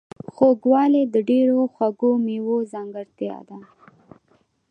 خوږوالی د ډیرو خواږو میوو ځانګړتیا ده.